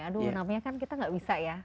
aduh namanya kan kita nggak bisa ya